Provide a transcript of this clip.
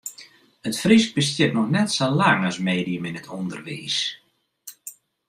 It Frysk bestiet noch net sa lang as medium yn it ûnderwiis.